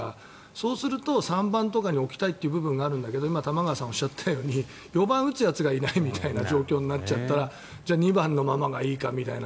そうすると３番とかに置きたい部分があるんだけど今玉川さんがおっしゃったように４番を打つやつがいないみたいな状況になると２番のままでいいかみたいな。